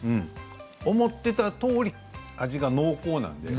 思っていたとおり味が濃厚なので。